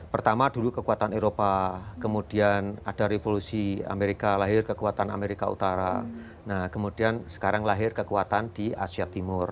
pertama dulu kekuatan eropa kemudian ada revolusi amerika lahir kekuatan amerika utara nah kemudian sekarang lahir kekuatan di asia timur